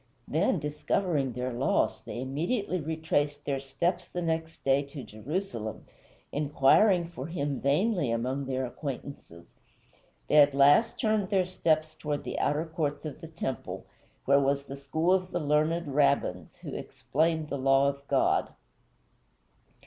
Then, discovering their loss, they immediately retraced their steps the next day to Jerusalem, inquiring for him vainly among their acquaintances. They at last turned their steps toward the outer courts of the temple, where was the school of the learned Rabbins who explained the law of God.